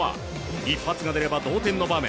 一発が出れば同点の場面。